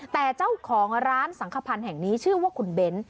แต่เจ้าของร้านสังขพันธ์แห่งนี้ชื่อว่าคุณเบ้น